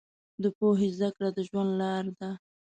د پوهې زده کړه د ژوند لار ده.